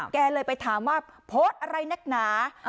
แกเลยไปถามว่าโพสต์อะไรนักหนา